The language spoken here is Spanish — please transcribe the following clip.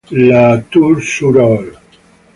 La Tour-sur-Orb